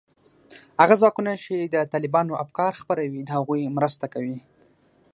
هغه ځواکونو چې د طالبانو افکار خپروي، د هغوی مرسته کوي